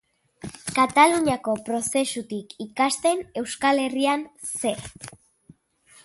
Kataluniako prozesutik ikasten, Euskal Herrian zer?